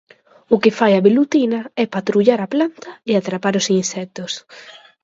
O que fai a velutina é patrullar a planta e atrapar os insectos.